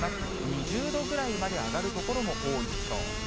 ２０度ぐらいまで上がる所も多いでしょう。